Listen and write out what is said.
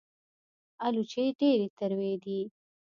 الوچې ډېرې تروې دي